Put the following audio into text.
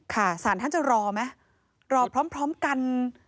สารท่านจะรอไหมรอพร้อมกัน